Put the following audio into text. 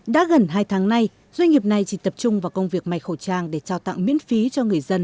đã gần hai tháng nay doanh nghiệp này chỉ tập trung vào công việc may khẩu trang để trao tặng miễn phí cho người dân